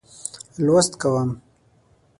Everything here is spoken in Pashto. لوست کوم.